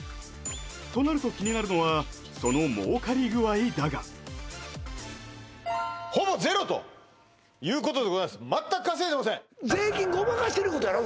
となると気になるのはその儲かり具合だがほぼゼロということでございます全く稼いでませんいうことやろ